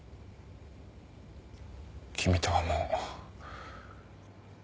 君とはもう。